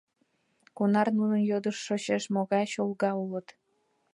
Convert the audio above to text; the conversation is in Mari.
Кунар нунын йодыш шочеш, могай чолга улыт!